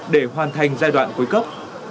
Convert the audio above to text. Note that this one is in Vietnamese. để hoàn thành giai đoạn cuối cấp